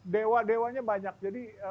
dewa dewanya banyak jadi